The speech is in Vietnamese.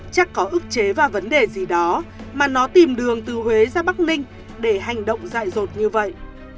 chắc có ước chế và vấn đề gì đó mà nó tìm đường từ huế ra bắc ninh để hành động dại rột như vậy